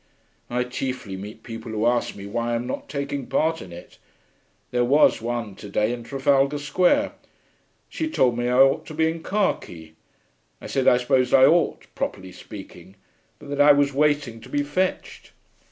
'I chiefly meet people who ask me why I'm not taking part in it. There was one to day, in Trafalgar Square. She told me I ought to be in khaki. I said I supposed I ought, properly speaking, but that I was waiting to be fetched.